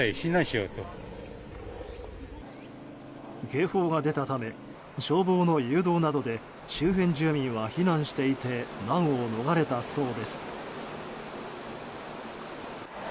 警報が出たため消防の誘導などで周辺住民は避難していて難を逃れたそうです。